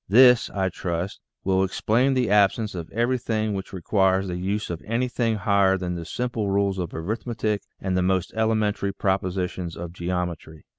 This, I trust, will ex plain the absence of everything which requires the use of anything higher than the simple rules of arithmetic and the most elementary propositions of geometry.